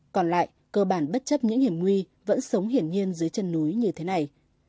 còn lại cơ bản bất chấp những hiểm nguy vẫn sống hiển nhiên dưới chân núi như thế này